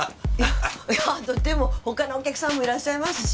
いやでも他のお客さんもいらっしゃいますし。